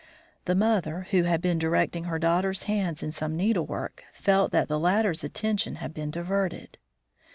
The mother, who had been directing her daughter's hands in some needlework, felt that the latter's attention had been diverted.